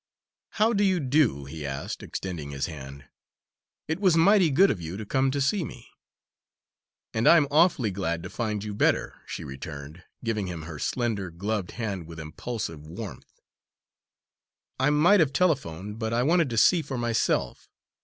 "How do you do?" he asked, extending his hand. "It was mighty good of you to come to see me." "And I'm awfully glad to find you better," she returned, giving him her slender, gloved hand with impulsive warmth. "I might have telephoned, but I wanted to see for myself.